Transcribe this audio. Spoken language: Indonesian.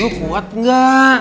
lo kuat gak